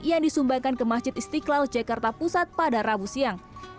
yang disumbangkan ke masjid istiqlal jakarta pusat pada rabu siang